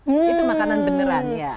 itu makanan beneran ya